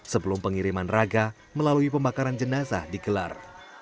sebelum pengiriman raga melalui pembakaran jenazah dikelar